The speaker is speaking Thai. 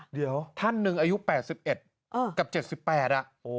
เดี๋ยวท่านหนึ่งอายุ๘๑กับ๗๘อ่ะ